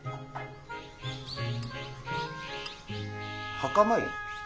墓参り？